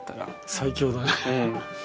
最強だね。